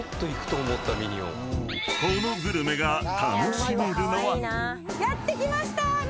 ［このグルメが楽しめるのは］